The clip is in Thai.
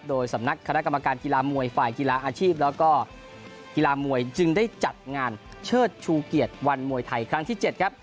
โดยสำนักคณะกรรมการกีฬามวยฝ่ายกีฬาอาชีพแล้วก็กีฬามวยจึงได้จัดงานเชิดชูเกียรติวันมวยไทยครั้งที่๗ครับ